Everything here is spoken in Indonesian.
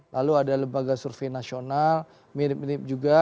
lalu ada lembaga survei nasional mirip mirip juga